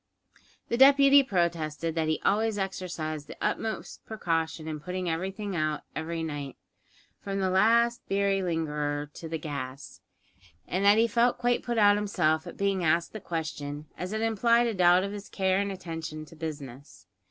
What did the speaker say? The deputy protested that he always exercised the utmost precaution in putting everything out every night from the last beery lingerer, to the gas and that he felt quite put out himself at being asked the question, as it implied a doubt of his care and attention to business.